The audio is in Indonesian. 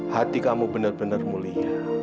hati kamu benar benar mulia